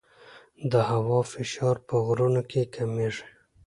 د هوا فشار په غرونو کې کمېږي.